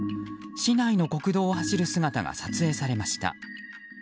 市内の国道を走る姿が撮影されました。